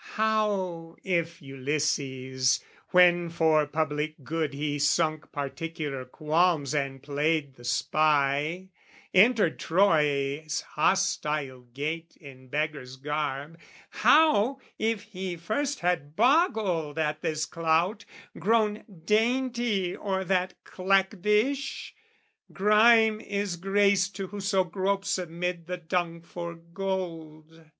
How if Ulysses, when, for public good He sunk particular qualms and played the spy, Entered Troy's hostile gate in beggar's garb How if he first had boggled at this clout, Grown dainty o'er that clack dish? Grime is grace To whoso gropes amid the dung for gold.